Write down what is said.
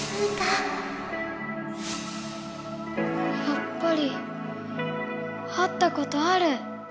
やっぱり会ったことある。